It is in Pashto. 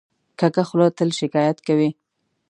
کوږه خوله تل شکایت کوي